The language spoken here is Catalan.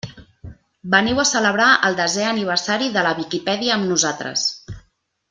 Veniu a celebrar el desè aniversari de la Viquipèdia amb nosaltres!